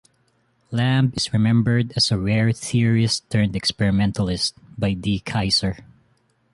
Lamb is remembered as a "rare theorist turned experimentalist" by D. Kaiser.